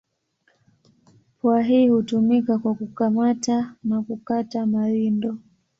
Pua hii hutumika kwa kukamata na kukata mawindo.